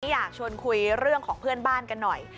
อยากชวนคุยเรื่องของเพื่อนบ้านกันหน่อย